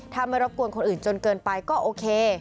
ถ้าไม่รบกวนคนอื่นจนเกินไปก็โอเค